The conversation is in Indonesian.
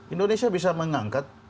indonesia bisa mengangkat